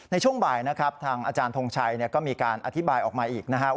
ในช่วงบ่ายนะครับทางอาจารย์ทงชัยก็มีการอธิบายออกมาอีกนะครับ